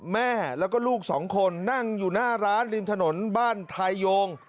แม่แล้วก็ลูกสองคนนั่งอยู่หน้าร้านริมถนนบ้านทายโยง